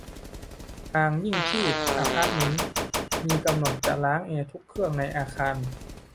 ทางยิ่งชีพ อพาร์ทเม้นต์ มีกำหนดจะล้างแอร์ทุกเครื่องในอาคาร